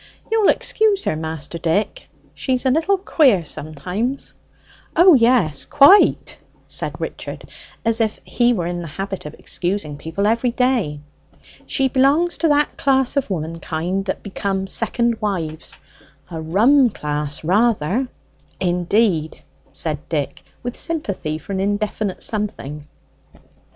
"You'll excuse her, Mister Dick, she's a little queer sometimes." "O yes, quite," said Richard, as if he were in the habit of excusing people every day. "She d'belong to that class of womankind that become second wives: a rum class rather." "Indeed," said Dick, with sympathy for an indefinite something.